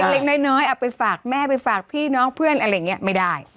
เล็กน้อยเอาไปฝากแม่ไปฝากพี่น้องเพื่อนอะไรอย่างนี้ไม่ได้